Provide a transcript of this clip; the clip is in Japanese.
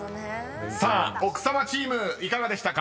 ［さあ奥様チームいかがでしたか？］